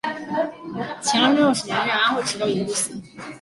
乾隆六十年任安徽池州营都司。